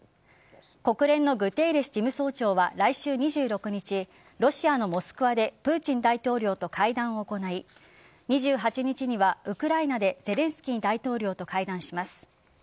国連のグテーレス事務総長は来週２６日ロシアのモスクワでプーチン大統領と会談を行い２８日にはウクライナでゼレンスキー大統領と会談します。